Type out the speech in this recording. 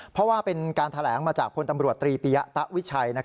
เพราะว่าเป็นการแถลงมาจากพลตำรวจตรีปียะตะวิชัย